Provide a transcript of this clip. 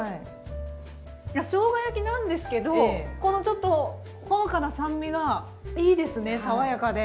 しょうが焼きなんですけどこのちょっとほのかな酸味がいいですね爽やかで。